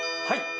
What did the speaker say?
はい。